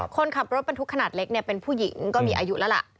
คนขับรถบรรทุกขนาดเล็กเป็นผู้หญิงก็มีอายุแล้วล่ะ